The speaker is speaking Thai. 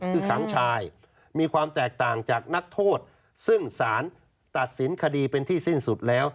คือขังชายมีความแตกต่างจากนักโทษซึ่งสารตัดสินคดีเป็นที่สิ้นสุดแล้ว